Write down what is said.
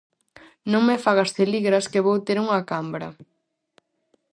Non me fagas celigras que vou ter unha cambra.